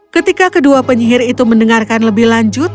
ketika kedua penyihir itu mendengarkan lebih lanjut